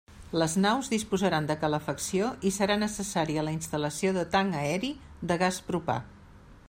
Les naus disposaran de calefacció i serà necessària la instal·lació de tanc aeri de gas propà.